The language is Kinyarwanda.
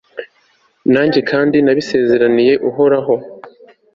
nanjye kandi nabisezeraniye uhoraho